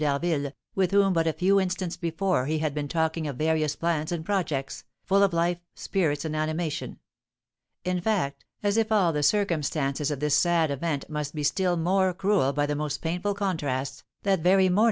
d'Harville, with whom but a few instants before he had been talking of various plans and projects, full of life, spirits, and animation. In fact, as if all the circumstances of this sad event must be still more cruel by the most painful contrasts, that very morning M.